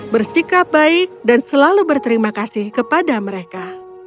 bersikap baik dan selalu berterima kasih kepada mereka